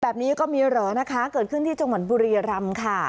แบบนี้ก็มีเหรอนะคะเกิดขึ้นที่จังหวัดบุรียรำค่ะ